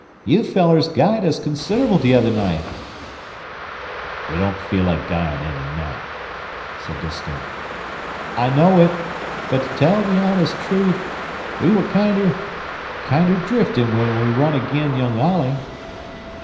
You fellers guyed us consid'rable t'other night." "We don't feel like guyin' any now," said Disko. "I know it; but to tell the honest truth we was kinder kinder driftin' when we run agin young Olley."